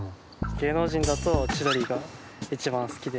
芸能人だと千鳥が一番好きで。